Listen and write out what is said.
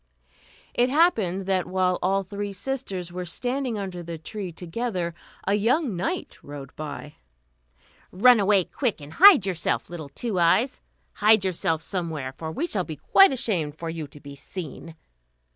It happened that while all three sisters were standing under the tree together a young knight rode by. "Run away, quick, and hide yourself, little Two Eyes; hide yourself somewhere, for we shall be quite ashamed for you to be seen."